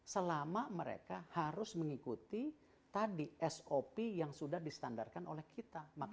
selama mereka harus mengikuti tadi sop yang sudah distandarkan oleh kita